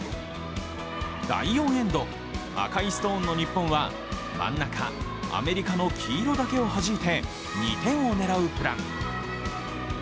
第４エンド、赤いストーンの日本は真ん中、アメリカの黄色だけを弾いて２点を狙うプラン。